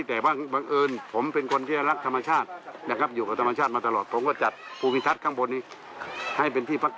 เขาก็ลงแชร์กันไปลงเพชรกันไป